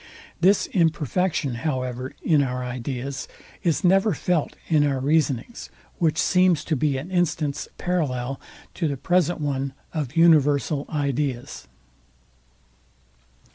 This imperfection, however, in our ideas, is never felt in our reasonings; which seems to be an instance parallel to the present one of universal ideas.